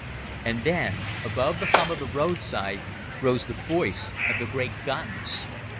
And then, above the hum of the roadside, rose the voice of the great guns.